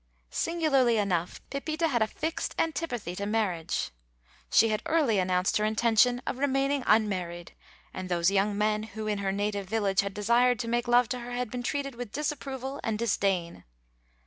Singularly enough, Pepita had a fixed antipathy to marriage. She had early announced her intention of remaining unmarried, and those young men who in her native village had desired to make love to her had been treated with disapproval and disdain.